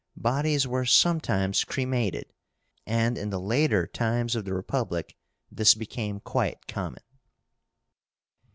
Bodies were sometimes cremated, and in the later times of the Republic this became quite common.